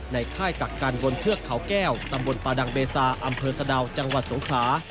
ค่ายกักกันบนเทือกเขาแก้วตำบลปาดังเบซาอำเภอสะดาวจังหวัดสงขลา